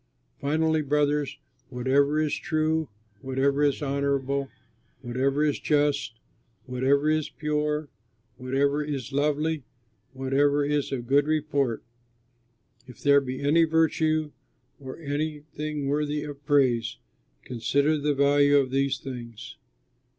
Finally, brothers, whatever is true, whatever is honorable, whatever is just, whatever is pure, whatever is lovely, whatever is of good report, if there be any virtue or anything worthy of praise, consider the value of these things.